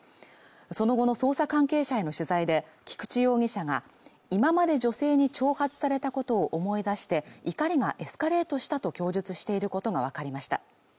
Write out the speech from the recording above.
その後の捜査関係者への取材で菊池容疑者が今まで女性に挑発されたことを思い出して怒りがエスカレートしたと供述していることが分かりました